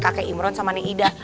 kakek imron sama ning ida